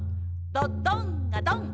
ドドンガドン！